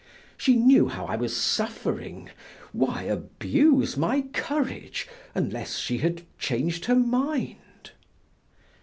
She knew how I was suffering; why abuse my courage unless she had changed her mind?